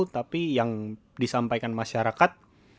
tapi yang disampaikan masyarakat